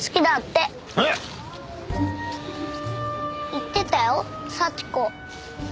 言ってたよ幸子。